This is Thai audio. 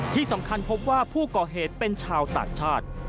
ที่สำคัญพบว่าผู้ก่อเหตุเป็นชาวต่างชาติ